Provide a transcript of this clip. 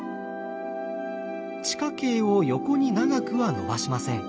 地下茎を横に長くは伸ばしません。